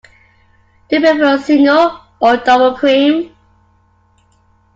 Do you prefer single or double cream?